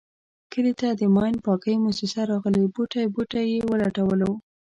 کلي ته د ماین پاکی موسیسه راغلې بوټی بوټی یې و لټولو.